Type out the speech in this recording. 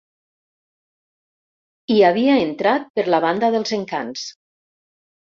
Hi havia entrat per la banda dels Encants